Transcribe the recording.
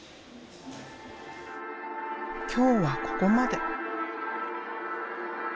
今日はここまで。